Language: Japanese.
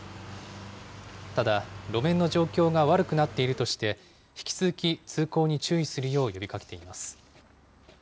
ただ、路面の状況が悪くなっているとして、引き続き通行に注意するよう呼びかけています。